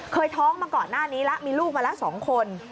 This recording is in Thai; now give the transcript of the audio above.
เคยท้องมาก่อนหน้านี้แล้วมีลูกมาแล้ว๒คน